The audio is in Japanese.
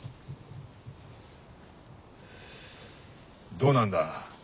どうなんだ